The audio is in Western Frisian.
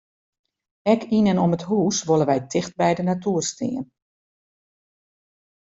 Ek yn en om it hús wolle wy ticht by de natoer stean.